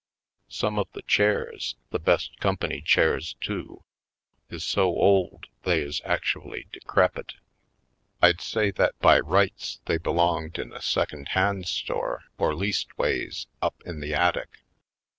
Some of the chairs — the best com pany chairs, too — is so old they is actually decrepit. I'd say that by rights they be Manhattan Isle 53 longed in a second hand store, or leastways up in the attic.